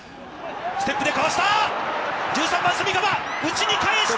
ステップでかわした。